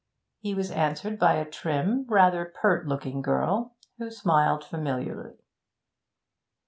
He was answered by a trim, rather pert looking girl, who smiled familiarly.